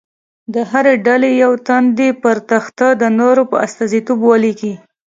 د هرې ډلې یو تن دې پر تخته د نورو په استازیتوب ولیکي.